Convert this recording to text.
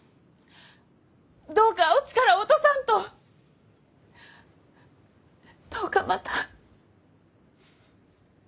どうかお力を落とさんとどうかまた。